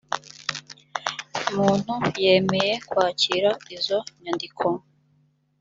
muntu yemeye kwakira izo nyandiko